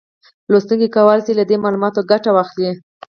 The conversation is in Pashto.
لوستونکي کولای شي له دې معلوماتو ګټه واخلي